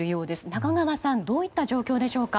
中川さんどういった状況でしょうか。